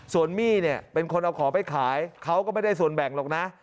ส่วนมี่เนี่ยเป็นคนเอาของไปขายเขาก็ไม่ได้ส่วนแบ่งหรอกนะ